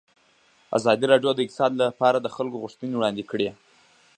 ازادي راډیو د اقتصاد لپاره د خلکو غوښتنې وړاندې کړي.